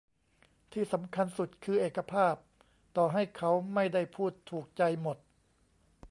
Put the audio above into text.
ที่สำคัญสุดคือ "เอกภาพ" ต่อให้เขาไม่ได้พูดถูกใจหมด